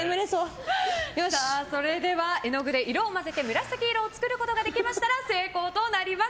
それでは絵の具で色を混ぜて紫色を作ることができましたら成功となります。